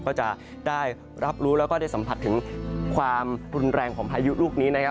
ก็จะได้รับรู้แล้วก็ได้สัมผัสถึงความรุนแรงของพายุลูกนี้นะครับ